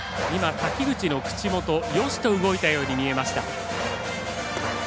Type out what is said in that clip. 滝口の口元がよしと動いたように見えました。